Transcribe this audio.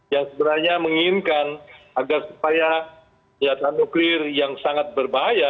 yang sebenarnya menginginkan agar supaya senjata nuklir yang sangat berbahaya